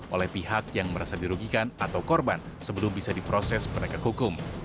oleh pihak yang merasa dirugikan atau korban sebelum bisa diproses penegak hukum